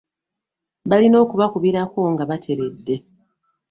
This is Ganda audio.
Balina okubakubirako nga bateredde.